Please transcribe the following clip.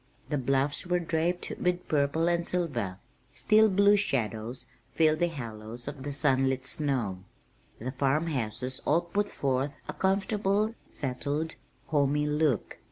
The bluffs were draped with purple and silver. Steel blue shadows filled the hollows of the sunlit snow. The farmhouses all put forth a comfortable, settled, homey look.